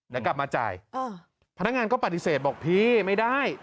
เดี๋ยวกลับมาจ่ายพนักงานก็ปฏิเสธบอกพี่ไม่ได้